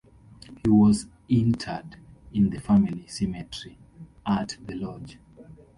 He was interred in the family cemetery at "The Lodge".